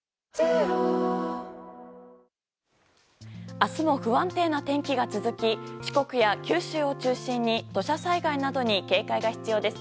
明日も不安定な天気が続き四国や九州を中心に土砂災害などに警戒が必要です。